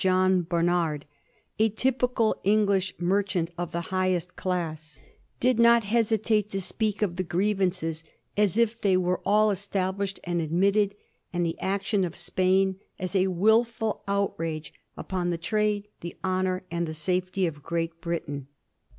John Barnard, a typical English merchant of the highest class, did not hesitate to speak of the grievances as if they were all established and admitted, and the action of Spain as a wilful outrage upon the trade, the honor, and the safety of Great Britain.